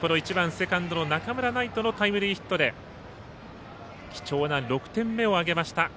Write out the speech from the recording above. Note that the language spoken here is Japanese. セカンドの中村騎士のタイムリーヒットで貴重な６点目を挙げました。